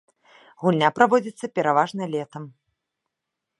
Гульня праводзіцца пераважна летам.